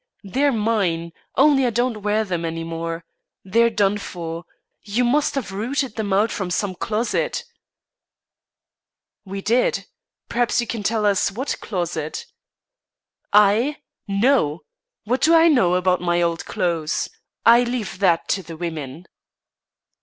They're mine. Only I don't wear them any more. They're done for. You must have rooted them out from some closet." "We did; perhaps you can tell us what closet." "I? No. What do I know about my old clothes? I leave that to the women."